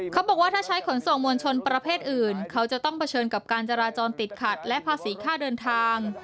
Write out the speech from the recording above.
เขาบอกว่าถ้าใช้ขนส่งมวลชนประเภทอื่นเขาจะต้องเผชิญกับการจราจรติดขัดและภาษีค่าเดินทาง